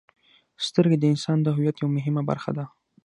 • سترګې د انسان د هویت یوه مهمه برخه ده.